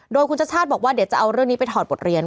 โดยคุณชัชชาติบอกว่าเดี๋ยวจะเอาเรื่องนี้ไปถอดบทเรียน